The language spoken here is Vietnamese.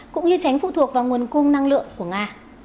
cũng như tránh phụ thuộc vào nguồn cung năng lượng của nga